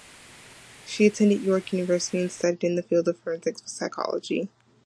She attended York University and studied in the field of forensic psychology.